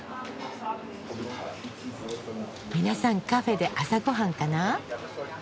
みなさんカフェで朝ごはんかな？